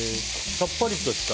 さっぱりとした。